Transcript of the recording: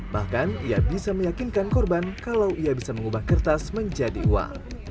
bahkan ia bisa meyakinkan korban kalau ia bisa mengubah kertas menjadi uang